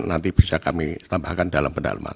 nanti bisa kami tambahkan dalam pendalaman